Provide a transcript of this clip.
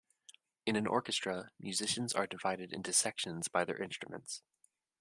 In an Orchestra, musicians are divided into sections by their instruments.